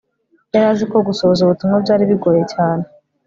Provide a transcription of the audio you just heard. yari azi ko gusohoza ubutumwa byari bigoye cyane